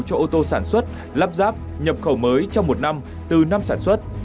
cho ô tô sản xuất lắp ráp nhập khẩu mới trong một năm từ năm sản xuất